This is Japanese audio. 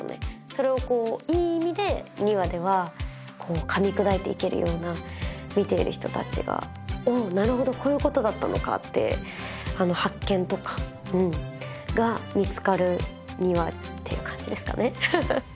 それをこういい意味で２話ではかみ砕いていけるような見ている人たちが「おおなるほどこういうことだったのか」って発見とかが見つかる２話って感じですかね